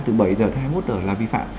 từ bảy giờ tới hai mươi một h là vi phạm